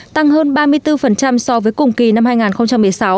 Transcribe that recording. tăng hơn ba mươi bốn so với cùng kỳ năm hai nghìn một mươi sáu